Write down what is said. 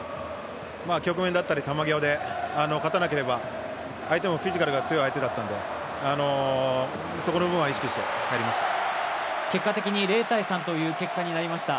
極限だったり球際で勝たなければ、相手もフィジカルが強い相手だったので、結果的に０−３という結果になりました。